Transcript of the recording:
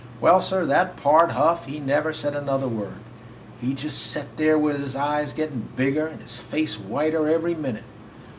"Well, sir, that Pard Huff, he never said another word. He just set there with his eyes getting bigger and his face whiter every minute.